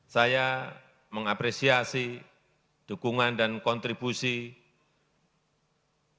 saya mengapresiasi dukungan dan kontribusi